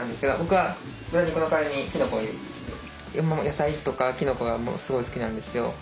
野菜とかキノコがすごい好きなんですよ。